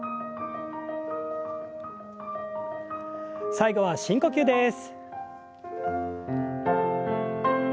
最後は深呼吸です。